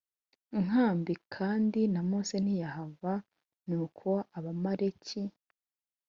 Nkambi kandi na mose ntiyahava nuko abamaleki